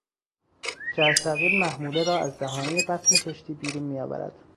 جرثقیل محموله را از دهانهی بطن کشتی بیرون میآورد.